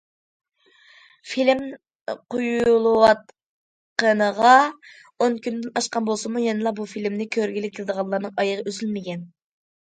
فىلىم قويۇلۇۋاتقىنىغا ئون كۈندىن ئاشقان بولسىمۇ، يەنىلا بۇ فىلىمنى كۆرگىلى كېلىدىغانلارنىڭ ئايىغى ئۈزۈلمىگەن.